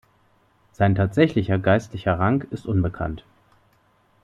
Sein tatsächlicher geistlicher Rang ist unbekannt.